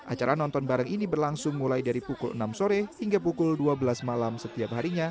acara nonton bareng ini berlangsung mulai dari pukul enam sore hingga pukul dua belas malam setiap harinya